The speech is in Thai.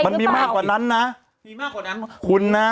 มันมีมากกว่านั้นนะมีมากกว่านั้นคุณนะ